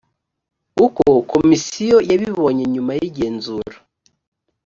uko komisiyo yabibonye nyuma y igenzura